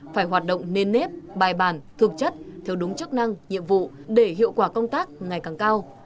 phải hoạt động nền nếp bài bản thực chất theo đúng chức năng nhiệm vụ để hiệu quả công tác ngày càng cao